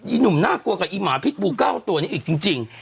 หนุ่มน่ากลัวกับอีหมาพิษบู๙ตัวนี้อีกจริง